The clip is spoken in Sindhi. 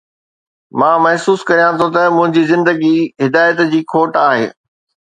مان محسوس ڪريان ٿو ته منهنجي زندگي هدايت جي کوٽ آهي